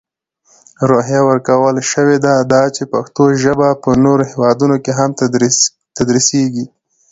روحیه ورکول شوې ده، دا چې پښتو ژپه په نورو هیوادونو کې هم تدرېسېږي.